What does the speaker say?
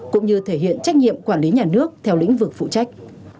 cũng như thể hiện trách nhiệm quản lý nhà nước theo lĩnh vực phụ trách